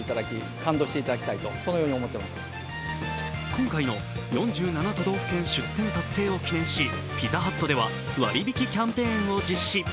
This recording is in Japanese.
今回の４７都道府県出店達成を記念し、ピザハットでは割引キャンペーンを実施。